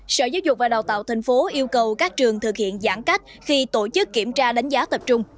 sở giáo dục và đào tạo tp yêu cầu các trường thực hiện giãn cách khi tổ chức kiểm tra đánh giá tập trung